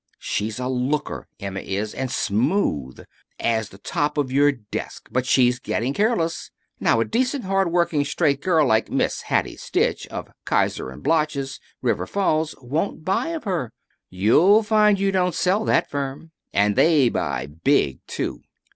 "She's a looker, Emma is. And smooth! As the top of your desk. But she's getting careless. Now a decent, hard working, straight girl like Miss Hattie Stitch, of Kiser & Bloch's, River Falls, won't buy of her. You'll find you don't sell that firm. And they buy big, too.